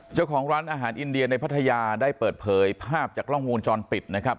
เจ้าของร้านอาหารอินเดียในพัทยาได้เปิดเผยภาพจากกล้องวงจรปิดนะครับ